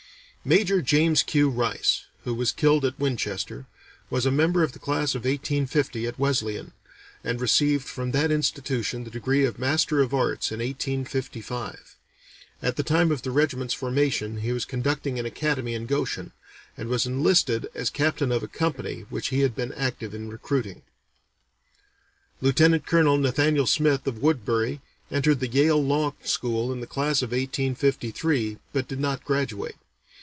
Major James Q. Rice, who was killed at Winchester, was a member of the class of 1850 at Wesleyan, and received from that institution the degree of Master of Arts in 1855. At the time of the regiment's formation he was conducting an academy in Goshen, and was enlisted as captain of a company which he had been active in recruiting. Lieutenant Colonel Nathaniel Smith of Woodbury entered the Yale Law School in the class of 1853, but did not graduate.